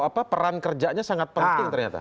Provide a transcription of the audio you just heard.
apa peran kerjanya sangat penting ternyata